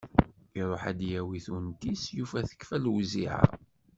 Iruḥ ad d-yawi tunt-is, yufa tekfa lewziεa.